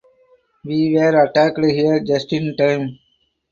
We were attacked here just in time.